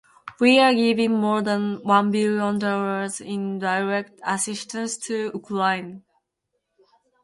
We are giving more than one Billion dollars in direct assistance to Ukraine.